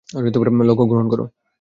লক্ষ্য গ্রহণ করো।